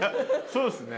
そうっすね。